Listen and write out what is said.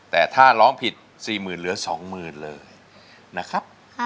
แต่ถ้าร้องผิด๔๐๐๐เหลือ๒๐๐๐เลยนะครับ